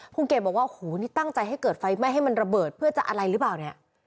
คุณเกดบอกว่าโอ้โหนี่ตั้งใจให้เกิดไฟไหม้ให้มันระเบิดเพื่อจะอะไรหรือเปล่าเนี่ย